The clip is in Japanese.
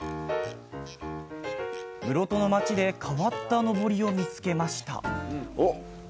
室戸の街で変わったのぼりを見つけましたおっ！